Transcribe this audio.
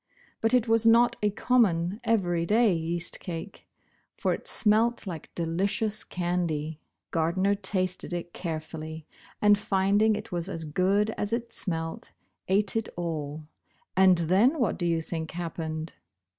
But it was not a common everyday yeast cake, for it smelt like delicious candy. Gardner tasted it carefully, and finding it was as good as it smelt, ate it all, and then w^hat do you think happened